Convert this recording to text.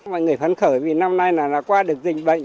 mọi người phấn khởi vì năm nay là qua được dịch bệnh